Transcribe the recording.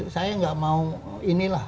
saya tidak mau ini lah